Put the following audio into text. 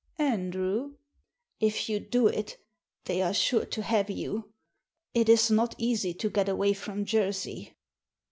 '^Andrew?* " If you do it they are sure to have you. It is not easy to get away from Jersey."